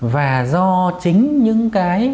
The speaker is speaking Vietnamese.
và do chính những cái